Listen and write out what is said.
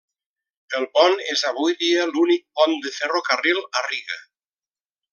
El pont és avui dia l'únic pont de ferrocarril a Riga.